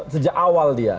sejak awal dia